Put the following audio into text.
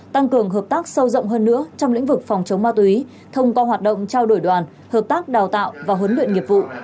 tăng cường hợp tác sâu rộng hơn nữa trong lĩnh vực phòng chống ma túy thông qua hoạt động trao đổi đoàn hợp tác đào tạo và huấn luyện nghiệp vụ